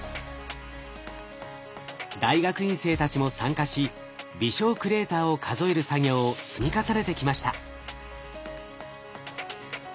大学院生たちも参加し微小クレーターを数える作業を積み重ねてきました。